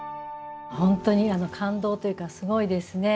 本当に感動というかすごいですね。